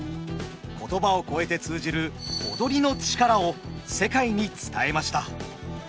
言葉を超えて通じる踊りの力を世界に伝えました。